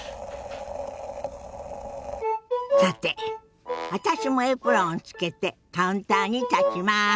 さて私もエプロンをつけてカウンターに立ちます。